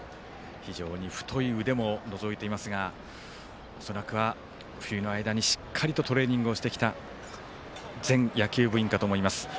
非常に太い腕ものぞいていますが恐らくは冬の間に、しっかりとトレーニングをしてきた全野球部員だと思います。